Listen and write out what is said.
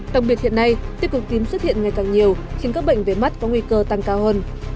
đặc biệt hiện nay tiêu cực tím xuất hiện ngày càng nhiều khiến các bệnh về mắt có nguy cơ tăng cao hơn